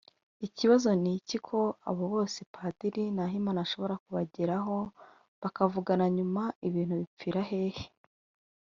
Ikibazo ni iki ko abo bose Padiri Nahimana ashobora kubageraho bakavugana nyuma ibintu bipfira hehe